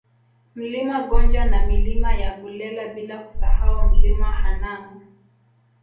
Mlima Gonja na Milima ya Gulela bila kusahau Mlima Hanang